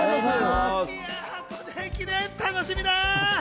いや箱根駅伝楽しみだ！